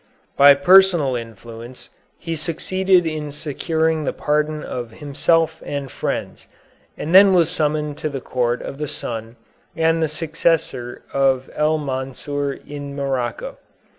By personal influence he succeeded in securing the pardon of himself and friends, and then was summoned to the court of the son and successor of El Mansur in Morocco.